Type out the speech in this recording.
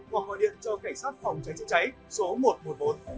hoặc gọi điện cho cảnh sát phòng cháy chữa cháy số một trăm một mươi bốn